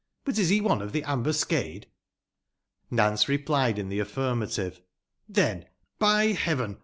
" But is he one of the ambuscade ?" Nance replied in the affirmative. "Then, by Heaven!